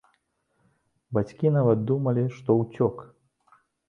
Бацькі нават думалі, што ўцёк!